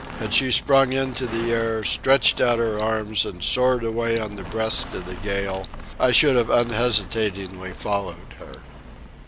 Had she sprung into the air, stretched out her arms, and soared away on the breast of the gale, I should have unhesitatingly followed her.